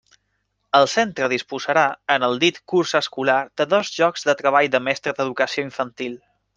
El centre disposarà, en el dit curs escolar, de dos llocs de treball de mestre d'Educació Infantil.